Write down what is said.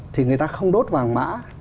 thì người ta không đốt vàng mã